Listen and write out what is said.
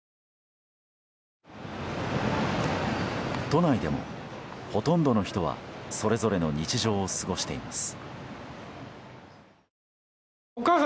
都内でも、ほとんどの人はそれぞれの日常を過ごしています。